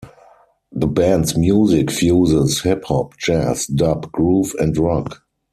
The band's music fuses hip hop, jazz, dub, groove and rock.